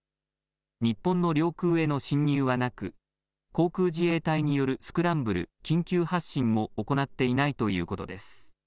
日本の領空への侵入はなく航空自衛隊によるスクランブル・緊急発進も行っていないということです。